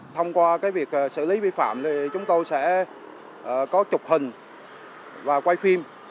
thông qua việc xử lý vi phạm thì chúng tôi sẽ có chụp hình và quay phim